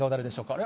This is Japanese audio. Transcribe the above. あれ？